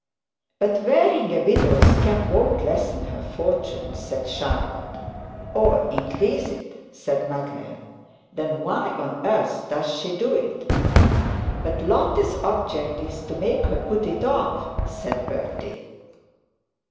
'But wearing a widow's cap won't lessen her fortune,' said Charlotte. 'Or increase it,' said Madeline. 'Then why on earth does she do it?' 'But Lotte's object is to make her put it off,' said Bertie.